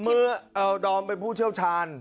เอาดอมไปเป็นผู้เชี่ยวชาญ